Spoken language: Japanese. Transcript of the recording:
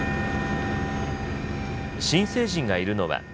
新成人がいるのは。